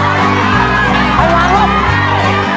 แม่งแม่ง